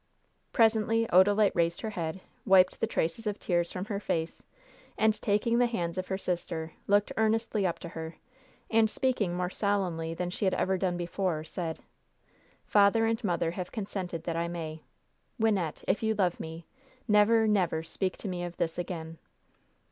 Presently Odalite raised her head, wiped the traces of tears from her face, and taking the hands of her sister, looked earnestly up to her, and speaking more solemnly than she had ever done before, said: "Father and mother have consented that I may. Wynnette, if you love me, never, never speak to me of this again."